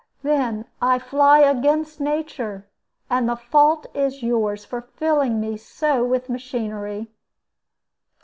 "Then I fly against nature; and the fault is yours for filling me so with machinery."